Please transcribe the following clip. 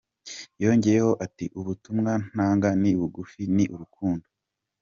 Yongeyeho ati “Ubutumwa ntanga ni bugufi, ni urukundo.